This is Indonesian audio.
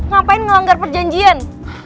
ngapain ngelanggar perjanjian